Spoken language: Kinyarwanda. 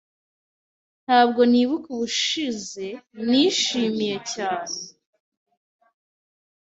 Ntabwo nibuka ubushize nishimiye cyane.